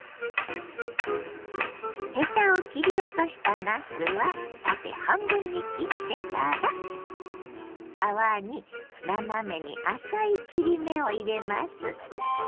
ヘタを切り落としたなすは縦半分に切ってから皮に斜めに浅い切り目を入れます。